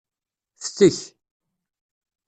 Ftek.